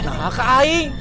nah kak aing